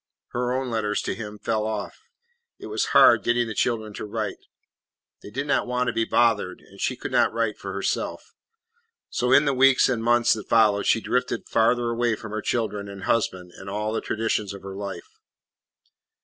Her own letters to him fell off. It was hard getting the children to write. They did not want to be bothered, and she could not write for herself. So in the weeks and months that followed she drifted farther away from her children and husband and all the traditions of her life.